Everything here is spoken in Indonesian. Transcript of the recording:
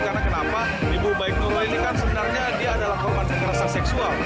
karena kenapa ibu baik nuril ini kan sebenarnya dia adalah korban terkerasan seksual